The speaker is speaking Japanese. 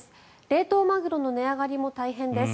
冷凍マグロの値上がりも大変です。